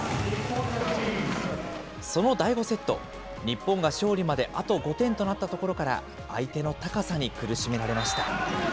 その第５セット、日本が勝利まであと５点となったところから、相手の高さに苦しめられました。